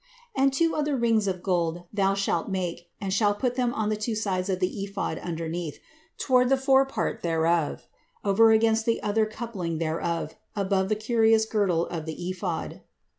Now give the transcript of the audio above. And two other rings of gold thou shalt make, and shalt put them on the two sides of the ephod underneath, toward the forepart thereof, over against the other coupling thereof, above the curious girdle of the ephod.